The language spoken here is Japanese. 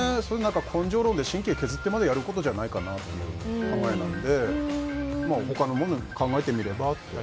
根性論で神経削ってまでやることではないかなという考えなので他のものを考えてみればと。